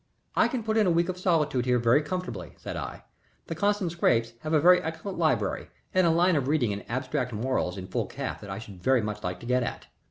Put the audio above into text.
"I can put in a week of solitude here very comfortably," said I. "The Constant Scrappes have a very excellent library and a line of reading in Abstract Morals in full calf that I should very much like to get at."